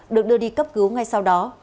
được đưa đi cấp cứu ngay sau đó